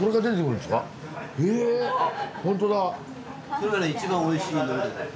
・それが一番おいしい呑み方です。